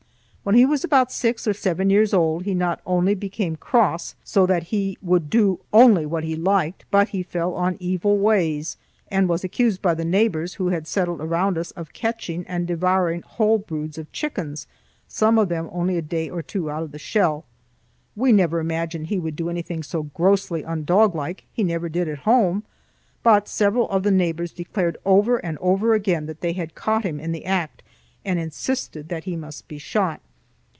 When he was about six or seven years old, he not only became cross, so that he would do only what he liked, but he fell on evil ways, and was accused by the neighbors who had settled around us of catching and devouring whole broods of chickens, some of them only a day or two out of the shell. We never imagined he would do anything so grossly undoglike. He never did at home. But several of the neighbors declared over and over again that they had caught him in the act, and insisted that he must be shot.